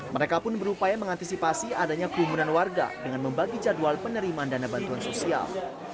mereka pun berupaya mengantisipasi adanya kerumunan warga dengan membagi jadwal penerimaan dana bantuan sosial